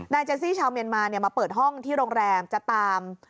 เจนซี่ชาวเมียนมามาเปิดห้องที่โรงแรมจะตาม